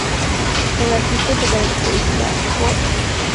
El artista se caracteriza por...